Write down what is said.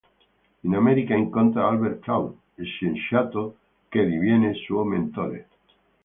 In America incontra Albert Claude, scienziato che diviene suo mentore.